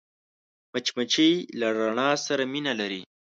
مچمچۍ له رڼا سره مینه لري